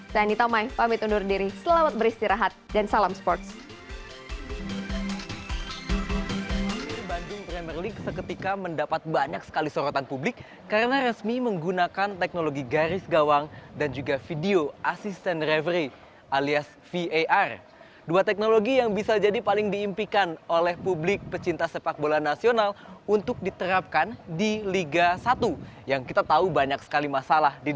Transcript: saya anita mai pamit undur diri selamat beristirahat dan salam sports